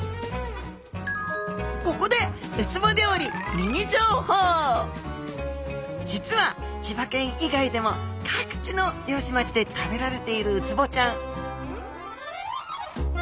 ここで実は千葉県以外でも各地の漁師町で食べられているウツボちゃん